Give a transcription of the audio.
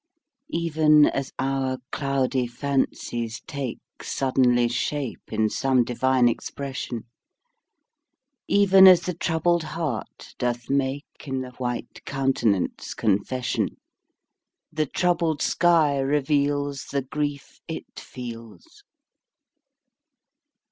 Even as our cloudy fancies take Suddenly shape in some divine expression, Even as the troubled heart doth make In the white countenance confession, The troubled sky reveals The grief it feels.